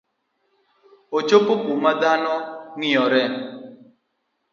Ochopo kuma dhano ng'iyore